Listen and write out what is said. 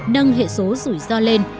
nâng hệ số rủi ro lên